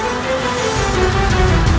aku akan mencari dia